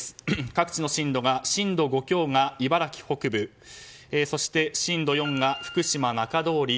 各地の震度が震度５強が茨城北部そして震度４が福島中通り